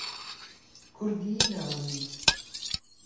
کوردیی ناوەندی